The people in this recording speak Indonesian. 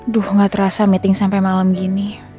duh gak terasa meeting sampai malam gini